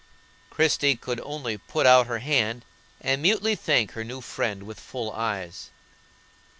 Christie could only put out her hand, and mutely thank her new friend with full eyes.